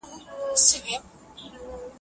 د تبلې تالونه ټال شول د ضربونو